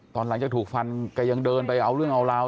ตอนหลังจากถูกฟันแกยังเดินไปเอาเรื่องเอาราว